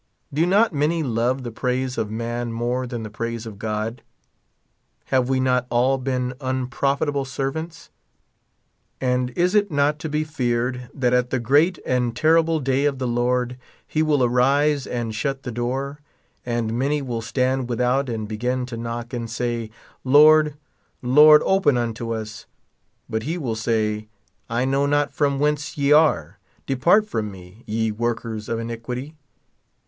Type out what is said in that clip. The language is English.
Do not many love the praise of man more than the praise of God ? Have we not all been unprofitable servants ? And is it not to be feared that at the great and terrible day of the Lord he will arise and shut the door ? and many will stand without and begin to knock and say, Lord. Lord, open unto us ; but he will say, I know not from whence ye are : depart from me, ye workers of iniquity.